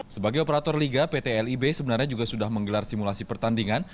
sebagai operator liga pt lib sebenarnya juga sudah menggelar simulasi pertandingan